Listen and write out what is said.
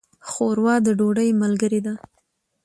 ښوروا د ډوډۍ ملګرې ده.